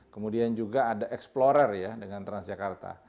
kemudian juga ada explorer ya dengan transjakarta